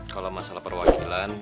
kalau masalah perwakilan